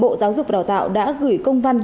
bộ giáo dục và đào tạo đã gửi công văn